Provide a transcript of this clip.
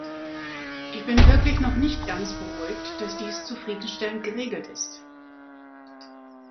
Ich bin wirklich noch nicht ganz beruhigt, dass dies zufriedenstellend geregelt ist.